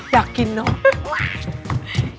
อยากกินเนอะ